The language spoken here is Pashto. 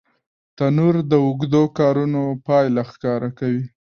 تنور د اوږدو کارونو پایله ښکاره کوي